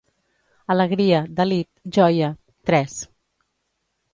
Alegria, delit, joia; tres.